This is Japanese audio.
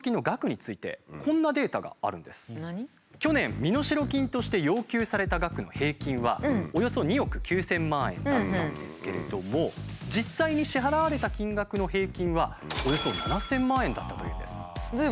ランサムウエアによる去年身代金として要求された額の平均はおよそ２億９，０００万円だったんですけれども実際に支払われた金額の平均はおよそ７，０００万円だったというんです。